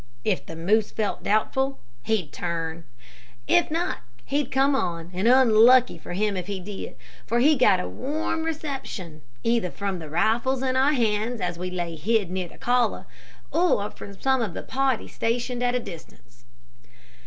If the moose felt doubtful he'd turn; if not, he'd come on, and unlucky for him if he did, for he got a warm reception, either from the rifles in our hands as we lay hid near the caller, or from some of the party stationed at a distance.